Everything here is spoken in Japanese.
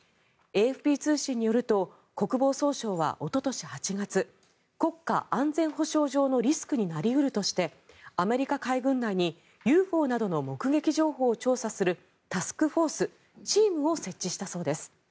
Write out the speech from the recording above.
ＡＦＰ通信によると国防総省はおととし８月国家安全保障上のリスクになり得るとしてアメリカ海軍内にＵＦＯなどの目撃情報を調査するタスクフォースチームを設置したそうです。